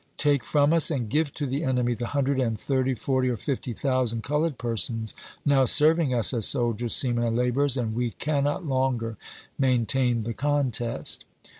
Take from us and give to the enemy the hundred and thirty, forty, or fifty thousand colored persons now sei vingus as soldiers, seamen, and laborers and we cannot longer maintain the contest."